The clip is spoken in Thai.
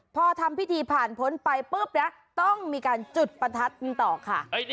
พอทำพิธีผ่านพ้นไปปุ๊บนะต้องมีการจุดประทัดต่อค่ะ